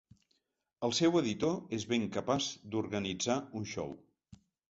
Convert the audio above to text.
El seu editor és ben capaç d'organitzar un xou.